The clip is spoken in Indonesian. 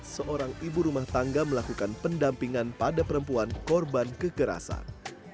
seorang ibu rumah tangga melakukan pendampingan pada perempuan korban kekerasan